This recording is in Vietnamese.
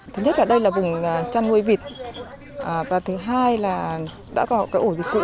thứ nhất là đây là vùng chăn nuôi vịt và thứ hai là đã có cái ổ dịch cũ